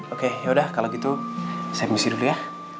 oke yaudah kalau gitu saya mesti dulu ya